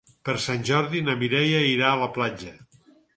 Per Sant Jordi na Mireia irà a la platja.